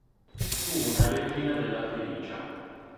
Fu una regina della Fenicia.